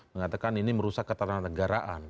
mengatakan ini merusak ketenangan negaraan